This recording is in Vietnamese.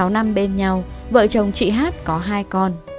sáu năm bên nhau vợ chồng chị hát có hai con